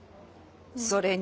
それに。